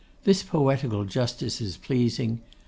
This poetical justice is pleasing.